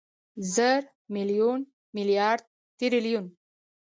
زر، ميليون، ميليارد، تریلیون